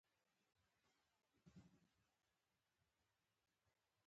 زه د نرمې خاورې بوی خوښوم.